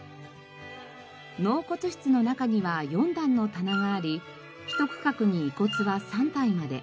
納骨室の中には４段の棚があり一区画に遺骨は３体まで。